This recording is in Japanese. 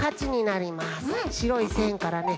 しろいせんからね